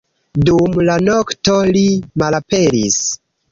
Dum la nokto, li malaperis.